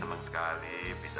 ayah kaget kalo belanya